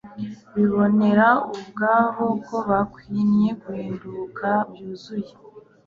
Bibonera ubwabo ko bakwinye guhinduka byuzuye;